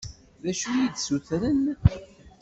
D acu i yi-d-ssutren?